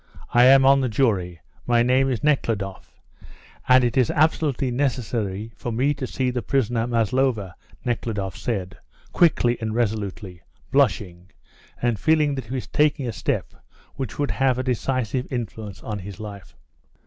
"I am on the jury; my name is Nekhludoff, and it is absolutely necessary for me to see the prisoner Maslova," Nekhludoff said, quickly and resolutely, blushing, and feeling that he was taking a step which would have a decisive influence on his life.